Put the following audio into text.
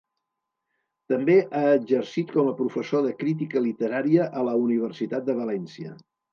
També ha exercit com a professor de Crítica Literària a la Universitat de València.